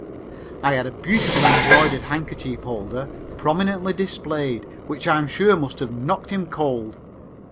I had a beautiful embroidered handkerchief holder, prominently displayed, which I am sure must have knocked him cold.